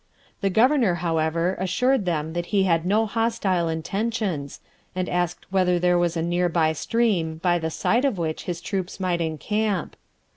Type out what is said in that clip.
The governor, however, assured them that he had no hostile intentions, and asked whether there was a near by stream by the side of which his troops might encamp.